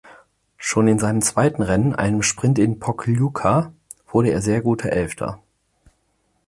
Schon in seinem zweiten Rennen, einem Sprint in Pokljuka wurde er sehr guter Elfter.